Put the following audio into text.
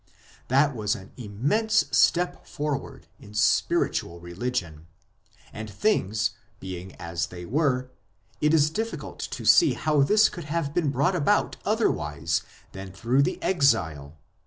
That was an immense step forward in spiritual religion ; and, things being as they were, it is difficult to see how this could have been brought about 208 IMMORTALITY AND THE UNSEEN WORLD otherwise than through the Exile.